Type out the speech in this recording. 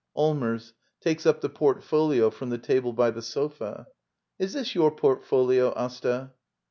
] Allmers. [Takes up the portfolio from the table by the sofa.] Is this your portfolio, Asta?